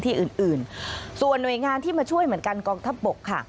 อื่นอื่นส่วนหน่วยงานที่มาช่วยเหมือนกันกองทัพบกค่ะ